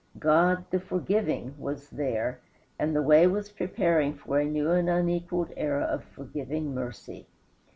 God, the forgiving, was there, and the way was preparing for a new and unequaled era of forgiving mercy.